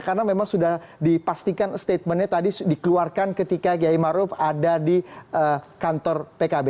karena memang sudah dipastikan statementnya tadi dikeluarkan ketika geymaruf ada di kantor pkb